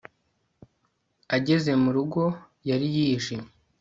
ageze murugo 'yari yijimye